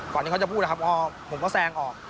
ที่เขาจะพูดนะครับผมก็แซงออก